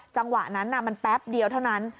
จังหวะนั้นมันแป๊บเดียวเท่านั้น